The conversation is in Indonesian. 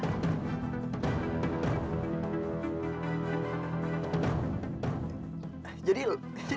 jadi jadi dulu peh